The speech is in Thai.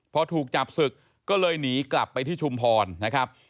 พอถูกจับศึกก็เลยหนีกลับไปที่ชุมพรนะครับ